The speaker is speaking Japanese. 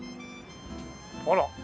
あら。